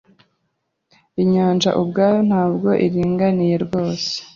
Inyanja ubwayo ntabwo iringaniye rwose